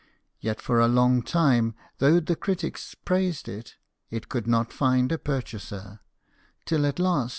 Yet for a long time, though the critics praised it, it could not find a purchaser ; till at last M.